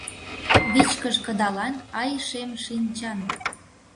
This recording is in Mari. Вичкыж кыдалан, ай, шем шинчан